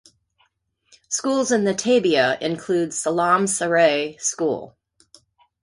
Schools in the "tabia" include Selam Seret school.